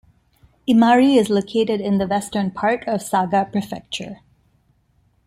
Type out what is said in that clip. Imari is located in the western part of Saga Prefecture.